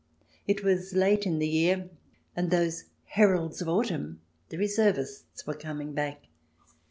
It was late in the year, and those heralds of autumn, the reservists, were coming back.